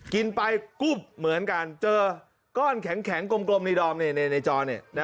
กินไปกุ๊บเหมือนกันเจอก้อนแข็งกลมในดอมในจอ